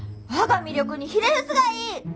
我が魅力にひれ伏すがいい！